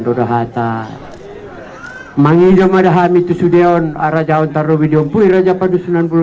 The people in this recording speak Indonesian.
doda hatta menghidupkan dihami tusuk deon arah jawab taruh video puir aja padus sembilan sebelas